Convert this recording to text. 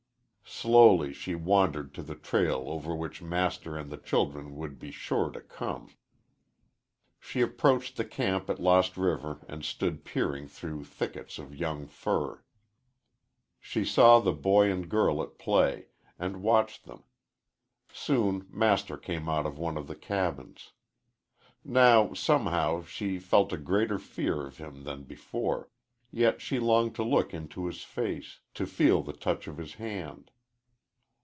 Slowly she wandered to the trail over which Master and the children would be sure to come. She approached the camp at Lost River and stood peering through thickets of young fir, She saw the boy and girl at play, and watched them. Soon Master came out of one of the cabins. Now, somehow, she felt a greater fear of him than before, yet she longed to look into his face to feel the touch of his hand.